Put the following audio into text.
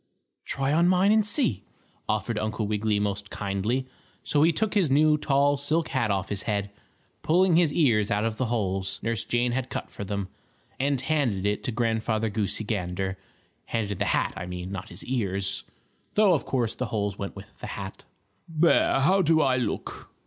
"Try on mine and see," offered Uncle Wiggily most kindly. So he took his new, tall silk hat off his head, pulling his ears out of the holes Nurse Jane had cut for them, and handed it to Grandfather Goosey Gander handed the hat, I mean, not his ears, though of course the holes went with the hat. "There, how do I look?"